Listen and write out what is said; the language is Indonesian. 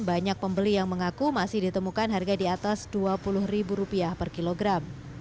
banyak pembeli yang mengaku masih ditemukan harga di atas rp dua puluh per kilogram